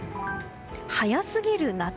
早すぎる夏。